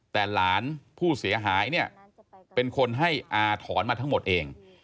แต่หลานผู้เสียหายเนี่ยเป็นคนให้อาถรรมาทั้งหมดเอง